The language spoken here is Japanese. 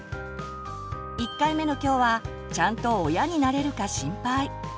１回目の今日は「ちゃんと親になれるか心配」。